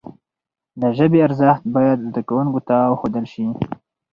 د ژبي ارزښت باید زدهکوونکو ته وښودل سي.